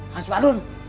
hansi pak dun